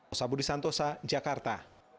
osabudi santosa jakarta